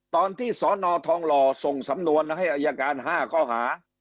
ตอนที่สนทองหล่อส่งสำนวนให้อายการ๕ข้อหา